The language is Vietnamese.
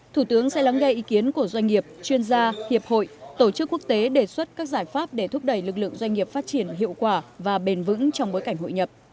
thủ tướng sẽ lắng nghe ý kiến của doanh nghiệp chuyên gia hiệp hội tổ chức quốc tế đề xuất các giải pháp để thúc đẩy lực lượng doanh nghiệp phát triển hiệu quả và bền vững trong bối cảnh hội nhập